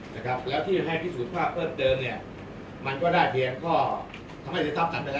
แล้วที่ให้พิสูจน์ค่าเพิ่มเติมมันก็ได้เพียงข้อทำให้เสียทรัพย์ตัดไปแล้ว